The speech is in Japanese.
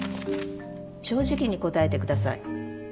正直に答えてください。